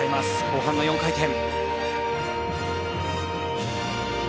後半の４回転。